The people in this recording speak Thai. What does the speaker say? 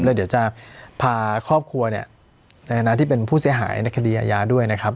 แล้วเดี๋ยวจะพาครอบครัวเนี่ยในฐานะที่เป็นผู้เสียหายในคดีอาญาด้วยนะครับ